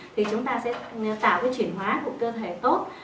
thì chúng ta sẽ tạo cái chuyển hóa của cơ thể tốt